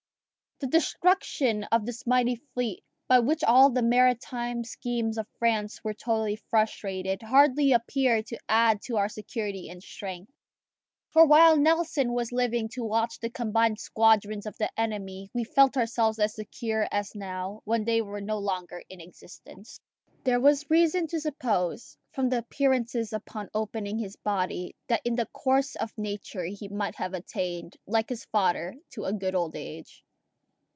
The destruction of this mighty fleet, by which all the maritime schemes of France were totally frustrated, hardly appeared to add to our security and strength; for while Nelson was living to watch the combined squadrons of the enemy, we felt ourselves as secure as now, when they were no longer in existence. There was reason to suppose, from the appearances upon opening his body, that in the course of nature he might have attained, like his father, to a good old age.